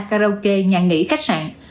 karaoke nhà nghỉ khách sạn